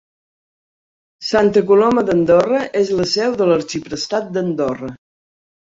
Santa Coloma d'Andorra és la seu de l'Arxiprestat d'Andorra.